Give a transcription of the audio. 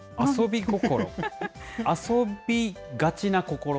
遊びがちな心？